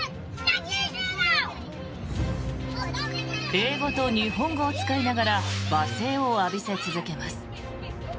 英語と日本語を使いながら罵声を浴びせ続けます。